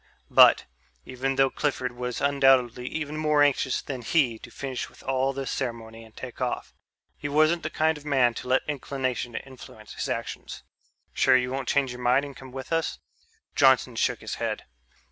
But, even though Clifford was undoubtedly even more anxious than he to finish with all this ceremony and take off, he wasn't the kind of man to let inclination influence his actions. "Sure you won't change your mind and come with us?" Johnson shook his head.